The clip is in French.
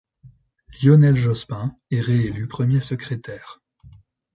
Lionel Jospin est réélu premier secrétaire.